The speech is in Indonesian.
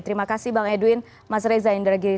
terima kasih bang edwin mas reza indragiri